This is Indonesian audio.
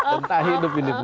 entah hidup ini pun